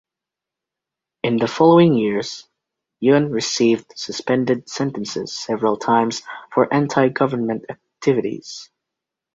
In the following years, Yun received suspended sentences several times for anti-government activities.